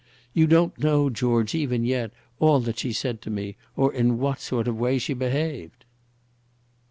"You don't know, George, even yet, all that she said to me, or in what sort of way she behaved."